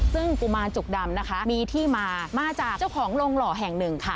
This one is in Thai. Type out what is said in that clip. ซึ่งกุมารจุกดำนะคะมีที่มามาจากเจ้าของโรงหล่อแห่งหนึ่งค่ะ